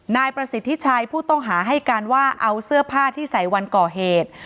นายประสิทธิชัยผู้ต้องหาให้การว่าเอาเสื้อผ้าที่ใส่วันก่อเหตุ